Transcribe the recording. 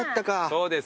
そうです。